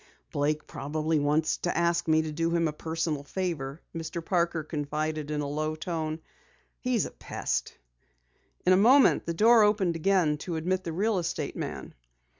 "Blake probably wants to ask me to do him a personal favor," Mr. Parker confided in a low tone. "He's a pest!" In a moment the door opened again to admit the real estate man.